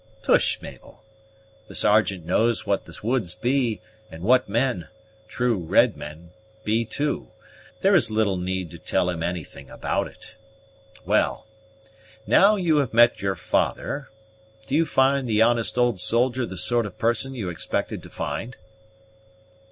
"Tush, Mabel! The Sergeant knows what the woods be, and what men true red men be, too. There is little need to tell him anything about it. Well, now you have met your father, do you find the honest old soldier the sort of person you expected to find?"